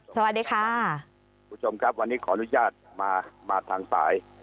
สวัสดีค่ะคุณผู้ชมครับวันนี้ขออนุญาตมามาทางสาย